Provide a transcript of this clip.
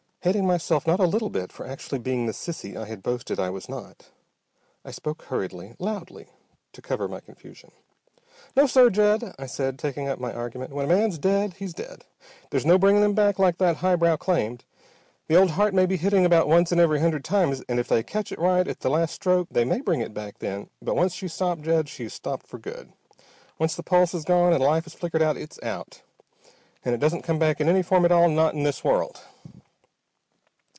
Hating myself not a little bit for actually being the sissy I had boasted I was not, I spoke hurriedly, loudly, to cover my confusion. "No sir, Jed!" I said, taking up my argument. "When a man's dead, he's dead! There's no bringing him back like that highbrow claimed. The old heart may be only hitting about once in every hundred times, and if they catch it right at the last stroke they may bring it back then, but once she's stopped, Jed, she's stopped for good. Once the pulse has gone, and life has flickered out, it's out. And it doesn't come back in any form at all, not in this world!"